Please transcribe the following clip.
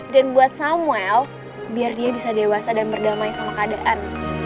dan buat samuel biar dia bisa dewasa dan berdamai sama keadaan